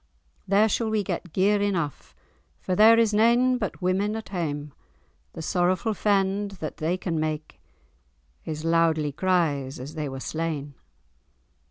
There we shall get gear enough, For there is nane but women at hame; The sorrowful fend that they can make. Is loudly cries as they were slain."